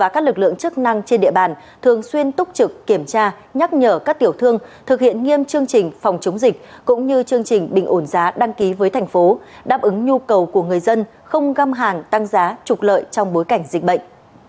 các lực lượng chức năng trên địa bàn thường xuyên túc trực kiểm tra nhắc nhở các tiểu thương thực hiện nghiêm chương trình phòng chống dịch cũng như chương trình bình ổn giá đăng ký với thành phố đáp ứng nhu cầu của người dân không găm hàng tăng giá trục lợi trong bối cảnh dịch bệnh